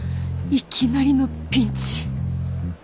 いきなりのピンチ！